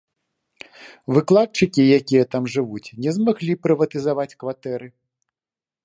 Выкладчыкі, якія там жывуць, не змаглі прыватызаваць кватэры.